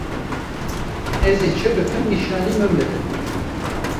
Ez ê çi bikim nîşanî min bidin.